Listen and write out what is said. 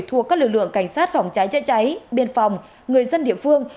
thuộc các lực lượng cảnh sát phòng cháy chữa cháy biên phòng người dân địa phương